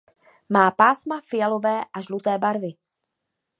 Má pásma fialové a žluté barvy.